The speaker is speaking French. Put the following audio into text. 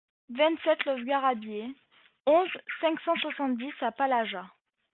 vingt-sept los Garrabiers, onze, cinq cent soixante-dix à Palaja